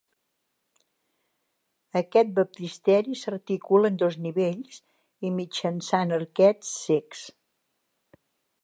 Aquest baptisteri s'articula en dos nivells i mitjançant arquets cecs.